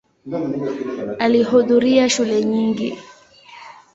Alihudhuria shule nyingi.